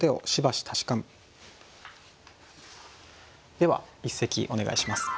では一席お願いします。